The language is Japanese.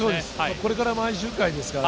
これから毎周回ですから。